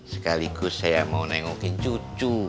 sekaligus saya mau nengokin cucu